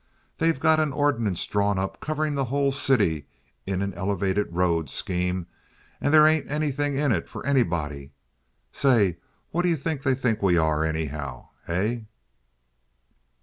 "They've got an ordinance drawn up covering the whole city in an elevated road scheme, and there ain't anything in it for anybody. Say, whaddye think they think we are, anyhow? Hey?"